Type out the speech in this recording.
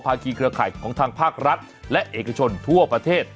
คีเครือข่ายของทางภาครัฐและเอกชนทั่วประเทศ